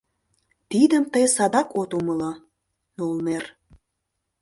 Тидым тый садак от умыло, нолнер.